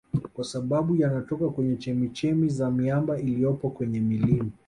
Kwa sababu yanatoka kwenye chemichemi za miamba iliyopo kwenye milima